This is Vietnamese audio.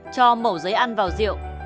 cho mẫu giấy ăn vào rượu